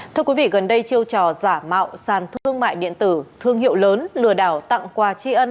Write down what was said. thưa quý vị gần đây chiêu trò giả mạo sàn thương mại điện tử thương hiệu lớn lừa đảo tặng quà tri ân